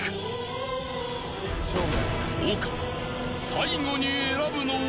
［丘最後に選ぶのは？］